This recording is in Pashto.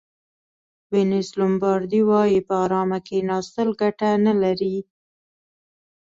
وینس لومبارډي وایي په ارامه کېناستل ګټه نه لري.